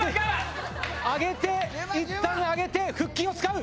いったん上げて腹筋を使う。